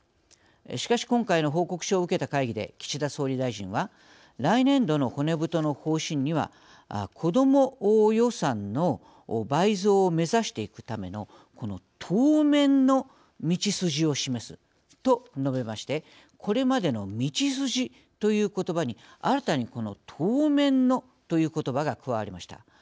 しかし今回の報告書を受けた会議で岸田総理大臣は来年度の骨太の方針には子ども予算の倍増を目指していくための当面の道筋を示すと述べましてこれまでの「道筋」という言葉に新たにこの「当面の」という言葉が加わりました。